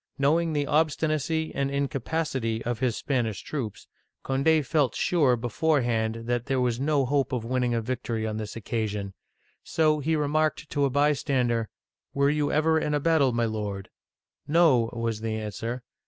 Knowing the obstinacy and incapacity of his Spanish troops, Cond6 felt sure beforehand that there was no hope of winning a victory on this occasion ; so he re marked to a bystander, "Were you ever in a battle, my lord.?" " No," was the answer.